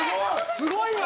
すごいわ！